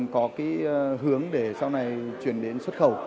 có cái hướng để sau này chuyển đến xuất khẩu